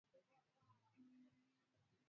Wakoloni walikuja na mila zote zikapotea